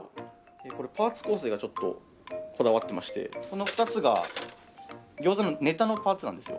でこれパーツ構成がちょっとこだわってましてこの２つが餃子のネタのパーツなんですよ。